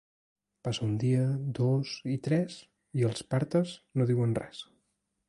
Passa un dia, dos i tres i els "partes" no diuen res.